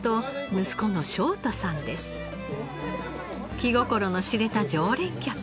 気心の知れた常連客。